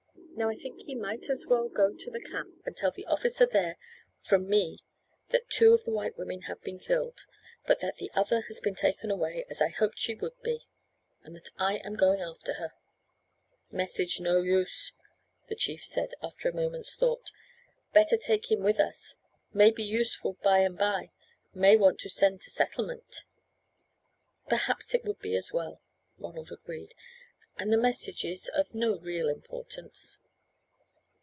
Now I think he might as well go to the camp and tell the officer there from me that two of the white women have been killed; but that the other has been taken away, as I hoped she would be, and that I am going after her." "Message no use," the chief said, after a moment's thought; "better take him with us, may be useful by and by; may want to send to settlement." "Perhaps it would be as well," Ronald agreed; "and the message is of no real importance."